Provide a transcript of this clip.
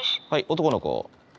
男の子？